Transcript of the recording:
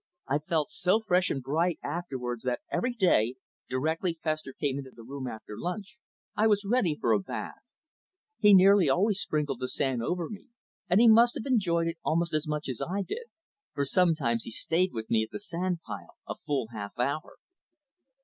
I felt so fresh and bright afterwards that every day, directly Fessor came into the room after lunch, I was ready for a bath. He nearly always sprinkled the sand over me, and he must have enjoyed it almost as much as I did, for sometimes he stayed with me at the sand pile a full half hour.